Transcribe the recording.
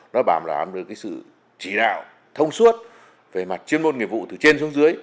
nó bảo là đảm bảo được cái sự chỉ đạo thông suốt về mặt chuyên môn nghiệp vụ từ trên xuống dưới